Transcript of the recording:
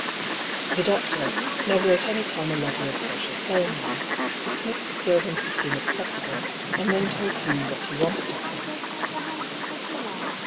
The doctor, never at any time a lover of social cere mony, dismissed the servants as soon as possible, and then told Hugh what he wanted of him.